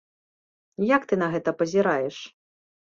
Як ты на гэта пазіраеш?